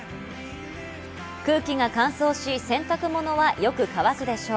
空気が乾燥し洗濯物はよく乾くでしょう。